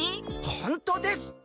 ほんとです！